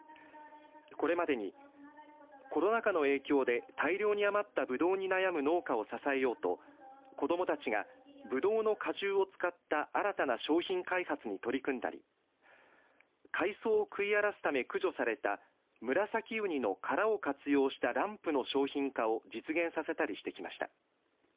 これまでにコロナ禍の影響で大量に余ったぶどうに悩む農家を支えようと子どもたちがぶどうの果汁を使った新たな商品開発に取り組んだり海藻を食い荒らすため駆除されたムラサキウニの殻を活用したランプの商品化を実現させたりしてきました。